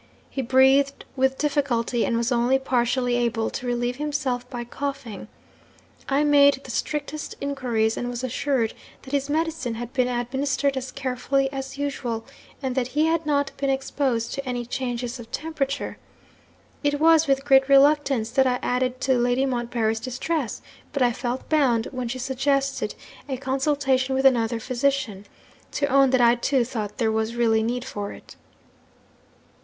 He breathed with difficulty, and was only partially able to relieve himself by coughing. I made the strictest inquiries, and was assured that his medicine had been administered as carefully as usual, and that he had not been exposed to any changes of temperature. It was with great reluctance that I added to Lady Montbarry's distress; but I felt bound, when she suggested a consultation with another physician, to own that I too thought there was really need for it.